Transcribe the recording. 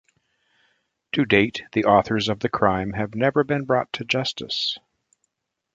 To date, the authors of the crime have never been brought to justice.